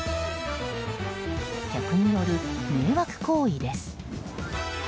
客による迷惑行為です。